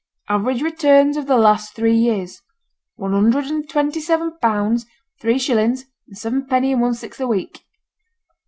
'Average returns of the last three years, one hundred and twenty seven pounds, three shillings, and seven penny and one sixth a week.